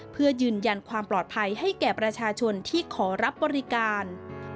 เพื่อยืนยันความปลอดภัยให้แก่ประชาชนที่ขอรับบริการ